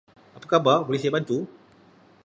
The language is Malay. Apa khabar boleh saya bantu?